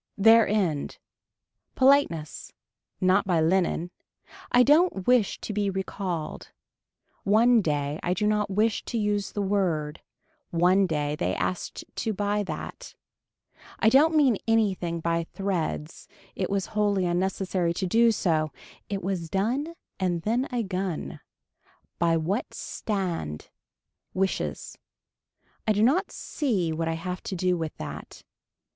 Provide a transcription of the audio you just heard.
Their end. Politeness. Not by linen. I don't wish to be recalled. One, day, I do not wish to use the word, one day they asked to buy that. I don't mean anything by threads. It was wholly unnecessary to do so. It was done and then a gun. By that stand. Wishes. I do not see what I have to do with that.